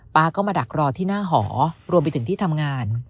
ก็มาดักรอที่หน้าหอรวมไปถึงที่ทำงาน